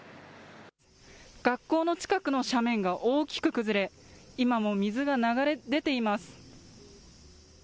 学校の近くの斜面が大きく崩れ今も水が流れ出ています。